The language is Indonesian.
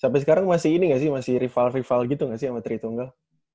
tapi sekarang masih ini gak sih masih rival rival gitu gak sih sama tri tunggal